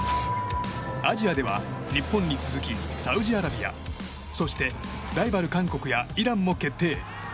アジアでは日本に続きサウジアラビアそして、ライバル韓国やイランも決定。